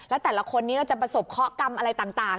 แล้วแต่ละคนนี้ก็จะประสบเคาะกรรมอะไรต่าง